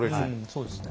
そうですね。